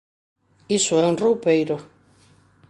Iso é un roupeiro.